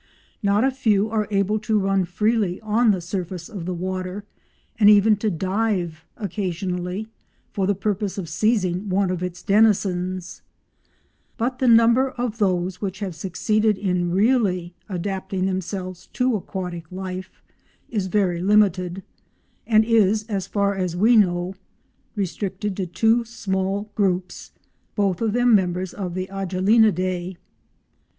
Not a few are able to run freely on the surface of the water and even to dive occasionally for the purpose of seizing one of its denizens, but the number of those which have succeeded in really adapting themselves to aquatic life is very limited, and is, as far as we know, restricted to two small groups, both of them members of the Agelenidae.